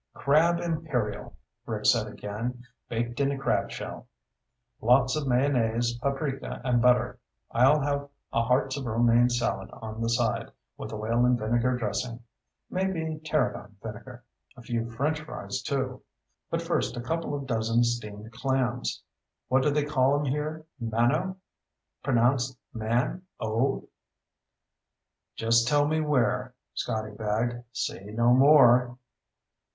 "Crab imperial," Rick said again. "Baked in a crab shell. Lots of mayonnaise, paprika, and butter. I'll have a hearts of romaine salad on the side, with oil and vinegar dressing. Maybe tarragon vinegar. A few French fries, too. But first, a couple of dozen steamed clams. What do they call 'em here? Manos, pronounced Man! Oh!" "Just tell me where," Scotty begged. "Say no more."